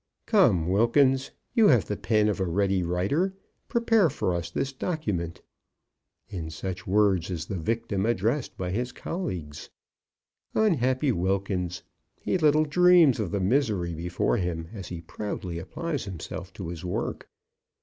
"Come, Wilkins, you have the pen of a ready writer; prepare for us this document." In such words is the victim addressed by his colleagues. Unhappy Wilkins! he little dreams of the misery before him, as he proudly applies himself to his work.